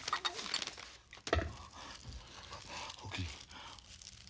おおきに。